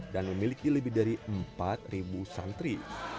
dan memiliki lebih dari empat ribu santri